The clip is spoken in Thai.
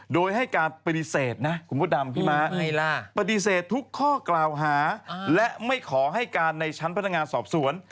โดยให้การปฏิเสธทุกข้อกล่าวหาและไม่ขอให้การในชั้นพนักงานสอบสวน